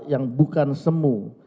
yang bukan semu